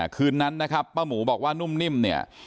คืนนั้นนะครับป้าหมูบอกว่านุ่มนิ่มเนี่ย